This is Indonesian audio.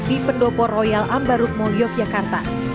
di pendopo royal ambarukmo yogyakarta